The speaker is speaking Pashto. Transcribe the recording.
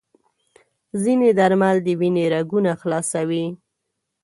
ځینې درمل د وینې رګونه خلاصوي.